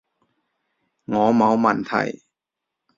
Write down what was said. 我冇問題